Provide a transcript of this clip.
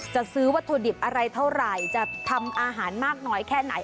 จะซื้อวัตถุดิบอะไรเท่าไหร่จะทำอาหารมากน้อยแค่ไหน